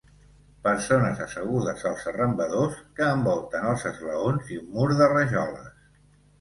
Persones assegudes als arrambadors que envolten els esglaons i un mur de rajoles.